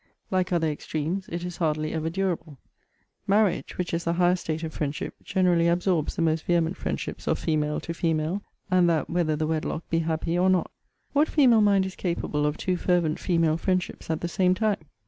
Like other extremes, it is hardly ever durable. Marriage, which is the highest state of friendship, generally absorbs the most vehement friendships of female to female; and that whether the wedlock be happy, or not. What female mind is capable of two fervent female friendships at the same time?